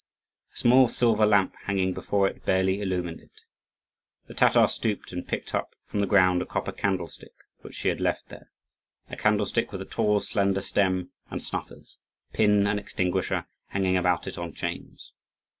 A small silver lamp hanging before it barely illumined it. The Tatar stooped and picked up from the ground a copper candlestick which she had left there, a candlestick with a tall, slender stem, and snuffers, pin, and extinguisher hanging about it on chains.